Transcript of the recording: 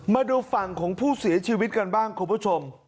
มาดูฝั่งของผู้เสียชีวิตกันบ้างคุณผู้ชม